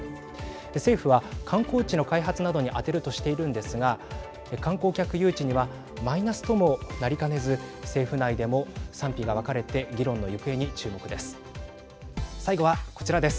政府は観光地の開発などに充てるとしているんですが観光客誘致にはマイナスともなりかねず政府内でも賛否が分かれて議論の行方に注目です。